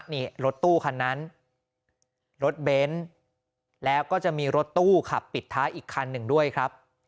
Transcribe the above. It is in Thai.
นี่รถตู้คันนั้นรถเบนท์แล้วก็จะมีรถตู้ขับปิดท้ายอีกคันหนึ่งด้วยครับ